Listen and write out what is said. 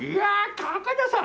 高田さん。